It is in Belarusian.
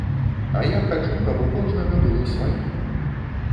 А я хачу, каб у кожнага было сваё.